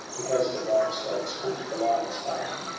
He has the wild stag's foot, the lion's heart.